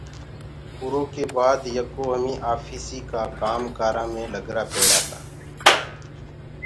اُرو ڪي باد يڪو همي آفيٚسيٚ ڪآ ڪآم ڪارآ مي مسروڦ هوگآ۔